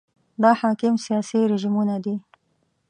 دا حاکم سیاسي رژیمونه دي.